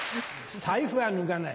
財布は抜かない。